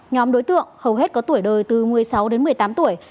nhóm đối tượng hầu hết có tuổi đời từ một mươi sáu đến một mươi tám tuổi